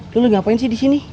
lu ngapain sih disini